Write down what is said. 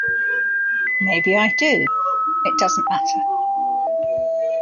Maybe I do; it doesn't matter.